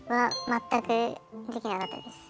全くできなかったです。